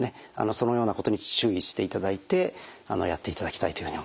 そのようなことに注意していただいてやっていただきたいというふうに思います。